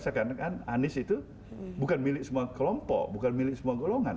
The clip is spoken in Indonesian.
seakan akan anies itu bukan milik semua kelompok bukan milik semua golongan